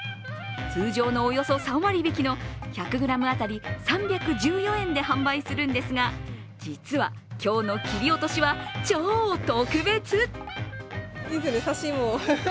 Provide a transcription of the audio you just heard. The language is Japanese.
通常のおよそ３割引の１００ｇ当たり３１４円で販売するんですが実は、今日の切り落としは超特別。